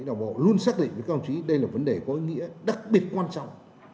đảng bộ luôn xác định với các ông chí đây là vấn đề có ý nghĩa đặc biệt quan trọng